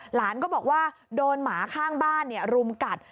หลานก็บอกว่าโดนหมาข้างบ้านรุมกัด